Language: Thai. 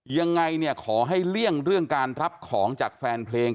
ยังไงเนี่ยขอให้เลี่ยงเรื่องการรับของจากแฟนเพลง